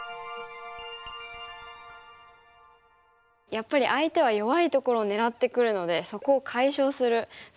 やっぱり相手は弱いところを狙ってくるのでそこを解消するスペースのカバーが必要なんですね。